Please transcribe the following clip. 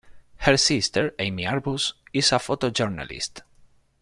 Her sister, Amy Arbus, is a photojournalist.